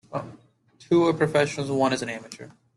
Two are professionals, one is an amateur.